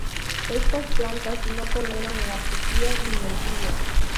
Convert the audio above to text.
Estas plantas no toleran la sequía ni el frío.